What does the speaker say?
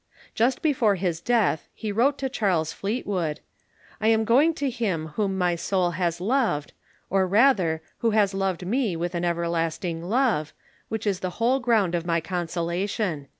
Just before his death he wrote to Charles Fleet wood :" I am going to Him whom my soul has loved, or, rather, who has loved me wdth an everlasting love — which is the whole ground of my consolation.